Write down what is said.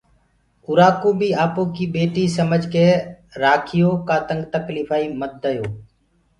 اُرآ ڪوُ بي آپو ڪيِ ٻيٽي سمجه ڪي راکيو ڪآ تنگ تڪليڦائي منديو۔